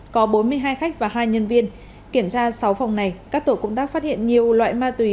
có bốn mươi hai khách và hai nhân viên kiểm tra sáu phòng này các tổ công tác phát hiện nhiều loại ma túy